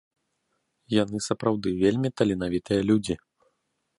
Яны сапраўды вельмі таленавітыя людзі.